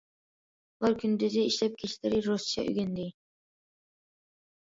ئۇلار كۈندۈزى ئىشلەپ، كەچلىرى رۇسچە ئۆگەندى.